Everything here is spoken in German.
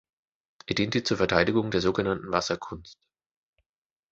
Er diente zur Verteidigung der sogenannten Wasserkunst.